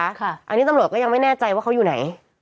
อันนี้ตำรวจก็ยังไม่แน่ใจว่าเขาอยู่ไหน